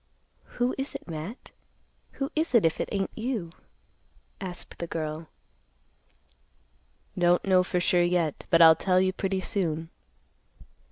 "Who is it, Matt? Who is it, if it ain't you?" asked the girl. "Don't know for sure yet, but I'll tell you pretty soon."